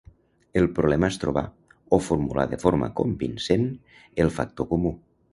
El problema és trobar, o formular de forma convincent, el factor comú.